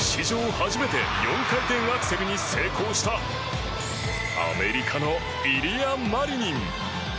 初めて４回転アクセルに成功したアメリカのイリア・マリニン。